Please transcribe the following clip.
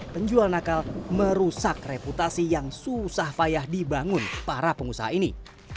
penjual nakal merusak reputasi yang susah payah dibangun para pengusaha ini